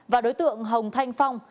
và đối tượng hồng thanh phong